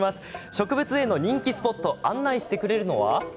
植物園の人気スポット案内してくれるのは？